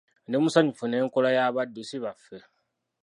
Ndi musanyufu n'enkola y abaddusi baffe.